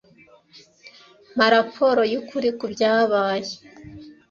Mpa raporo yukuri kubyabaye.